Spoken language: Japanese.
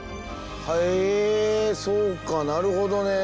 へえそうかなるほどね。